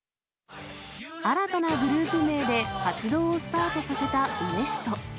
新たなグループ名で活動をスタートさせたＷＥＳＴ．。